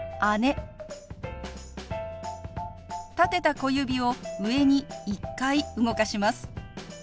立てた小指を上に１回動かします。